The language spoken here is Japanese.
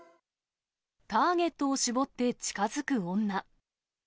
ターゲットを絞って近づく女。